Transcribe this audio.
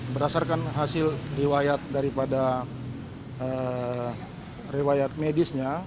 berdasarkan hasil riwayat daripada riwayat medisnya